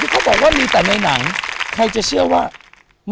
ขอบคุณพี่โจ้ด้วยครับ